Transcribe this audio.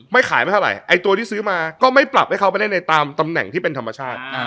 ไม่ขายไม่เท่าไหร่ไอ้ตัวที่ซื้อมาก็ไม่ปรับให้เขาไปเล่นในตามตำแหน่งที่เป็นธรรมชาติ